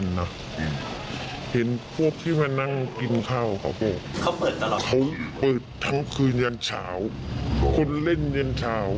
คนเล่นนี่คือเขามาจากไหน